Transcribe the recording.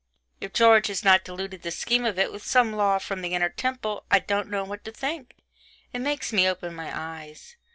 If George has not diluted the scheme of it with some law from the Inner Temple, I don't know what to think it makes me open my eyes.